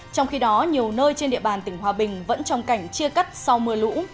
trong khi đó nhiều nơi trên địa bàn tỉnh hòa bình vẫn trong cảnh chia cắt sau mưa lũ